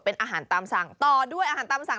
เป็นอาหารตามสั่งต่อด้วยอาหารตามสั่ง